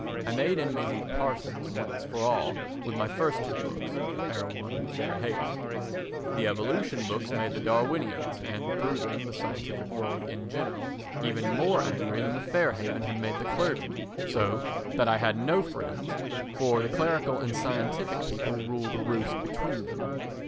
I made enemies of the parsons once for all with my first two books. [Erewhon and The Fair Haven.] The evolution books made the Darwinians, and through them the scientific world in general, even more angry than The Fair Haven had made the clergy so that I had no friends, for the clerical and scientific people rule the roast between them.